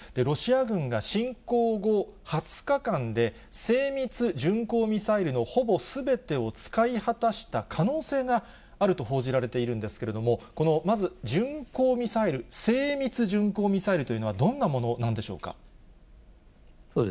ロシア軍が侵攻後２０日間で精密巡航ミサイルのほぼすべてを使い果たした可能性があると報じられているんですけれども、このまず巡航ミサイル、精密巡航ミサイルというのはどんなものなんでしょうか。